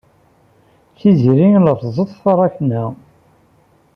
Tiziri la tẓeṭṭ taṛakna.